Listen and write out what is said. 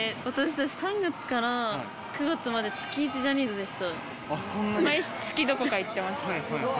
３月から９月まで、月１ジャニーズでした。